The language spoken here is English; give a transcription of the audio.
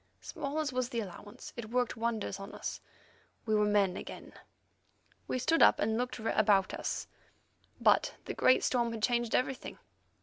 Small as was the allowance, it worked wonders in us; we were men again. We stood up and looked about us, but the great storm had changed everything.